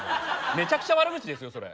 めちゃくちゃ悪口ですよそれ。